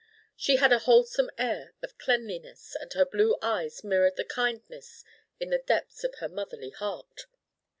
She had a wholesome air of cleanliness, and her blue eyes mirrored the kindness in the depths of her motherly heart.